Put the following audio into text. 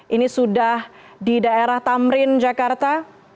ini sudah di daerah tamrin jakarta